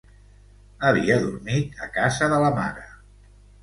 Havia dormit a casa de la mare.